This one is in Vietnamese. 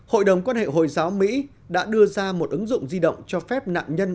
hội đồng quan hệ hồi giáo mỹ đã đưa ra một ứng dụng di động cho phép nạn nhân